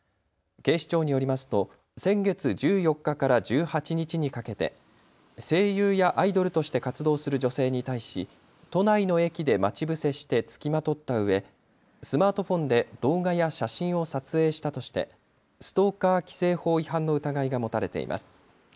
警視庁によりますと先月１４日から１８日にかけて声優やアイドルとして活動する女性に対し都内の駅で待ち伏せして付きまとったうえスマートフォンで動画や写真を撮影したとしてストーカー規制法違反の疑いが持たれています。